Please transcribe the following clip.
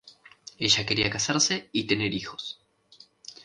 Ella quería casarse y tener hijos.